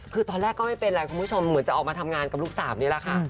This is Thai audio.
คือตอนแรกก็ไม่เป็นไรคุณผู้ชมเหมือนจะออกมาทำงานกับลูกสาวนี่แหละค่ะ